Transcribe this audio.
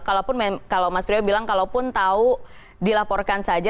kalau mas priwa bilang kalaupun tahu dilaporkan saja